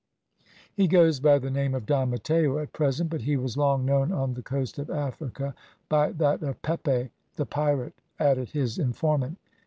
"He goes by the name of Don Matteo at present, but he was long known on the coast of Africa by that of Pepe the pirate," added his informant.